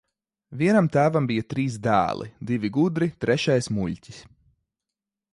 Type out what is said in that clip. Vienam tēvam bija trīs dēli - divi gudri, trešais muļķis.